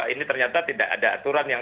ini ternyata tidak ada aturan yang